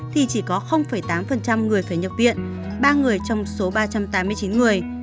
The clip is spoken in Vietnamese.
thì chỉ có tám người phải nhập viện ba người trong số ba trăm tám mươi chín người